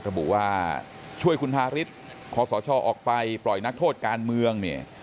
ระบุว่าช่วยคุณทาริสขอสชออกไปปล่อยนักโทษการเมืองเนี่ย